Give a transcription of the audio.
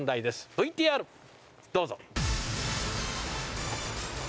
ＶＴＲどうぞ。